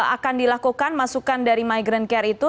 akan dilakukan masukan dari migrant care itu